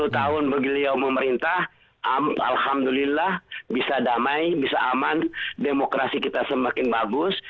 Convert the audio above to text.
sepuluh tahun begitu ya memerintah alhamdulillah bisa damai bisa aman demokrasi kita semakin bagus